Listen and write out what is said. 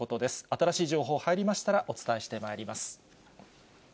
新しい情報、入りましたら、お伝えしてまいります。